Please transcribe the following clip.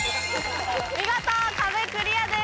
見事壁クリアです。